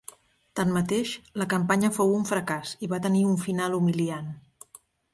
Tanmateix, la campanya fou un fracàs i va tenir un final humiliant.